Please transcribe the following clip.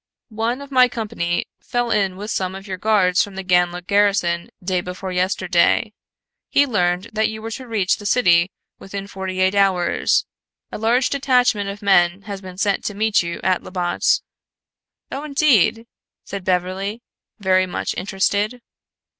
"One of my company fell in with some of your guards from the Ganlook garrison day before yesterday. He learned that you were to reach that city within forty eight hours. A large detachment of men has been sent to meet you at Labbot." "Oh, indeed," said Beverly, very much interested.